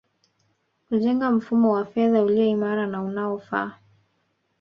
Kujenga mfumo wa fedha ulio imara na unaofaa